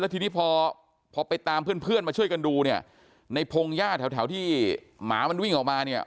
ทีนี้พอพอไปตามเพื่อนเพื่อนมาช่วยกันดูเนี่ยในพงหญ้าแถวที่หมามันวิ่งออกมาเนี่ย